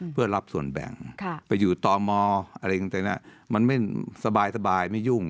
เพื่อรับส่วนแบ่งไปอยู่ต่อมออะไรต่างมันไม่สบายไม่ยุ่ง